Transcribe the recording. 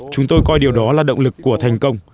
chúng tôi coi điều đó là động lực của thành công